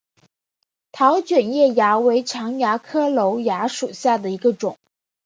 桃卷叶蚜为常蚜科瘤蚜属下的一个种。